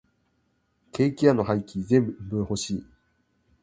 ケーキ屋の廃棄全部欲しい。